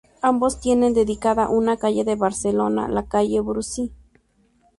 Ambos tienen dedicada una calle de Barcelona, la "calle Brusi".